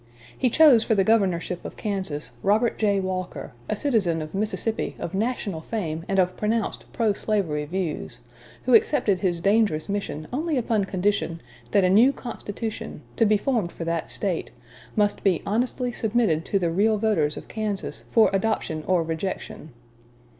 He chose for the governorship of Kansas, Robert J. Walker, a citizen of Mississippi of national fame and of pronounced pro slavery views, who accepted his dangerous mission only upon condition that a new constitution, to be formed for that State, must be honestly submitted to the real voters of Kansas for adoption or rejection.